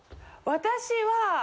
私は。